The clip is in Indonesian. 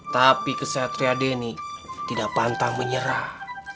tapi kesatria deni tidak pantang menyerah